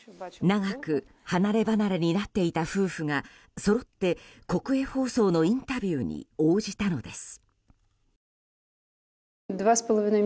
長く離れ離れになっていた夫婦がそろって国営放送のインタビューに応じたのです。